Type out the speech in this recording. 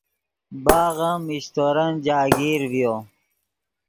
باغ ام میشتورن جاگیر ڤیو